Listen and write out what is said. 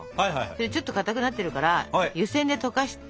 ちょっとかたくなってるから湯せんで溶かして。